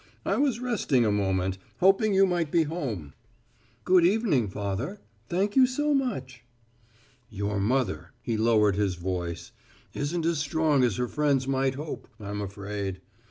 "I was resting a moment, hoping you might be home." "Good evening, Father. Thank you so much." "Your mother," he lowered his voice, "isn't as strong as her friends might hope, I'm afraid.